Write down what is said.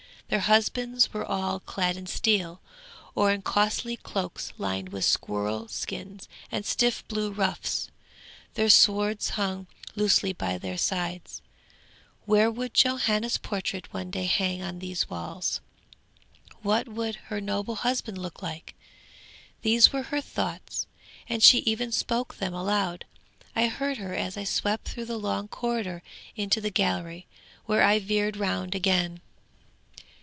Their husbands were all clad in steel, or in costly cloaks lined with squirrel skins and stiff blue ruffs; their swords hung loosely by their sides. Where would Johanna's portrait one day hang on these walls? What would her noble husband look like? These were her thoughts, and she even spoke them aloud; I heard her as I swept through the long corridor into the gallery, where I veered round again.